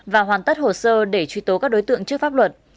và hoàn tất hồ sơ để truy tố các đối tượng trước pháp luật